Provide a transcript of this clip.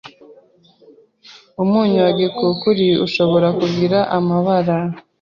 umunyu wa gikukuru ushobora kugira amabara